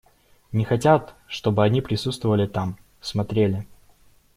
Не хотят, чтобы они присутствовали там, смотрели.